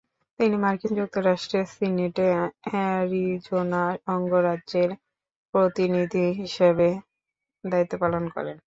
তিনি মার্কিন যুক্তরাষ্ট্রের সিনেটে অ্যারিজোনা অঙ্গরাজ্যের প্রতিনিধি হিসাবে দায়িত্বপালন করেন।